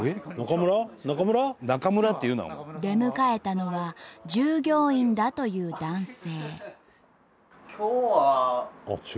出迎えたのは従業員だという男性。